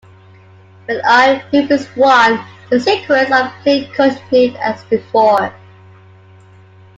When a hoop is won, the sequence of play continues as before.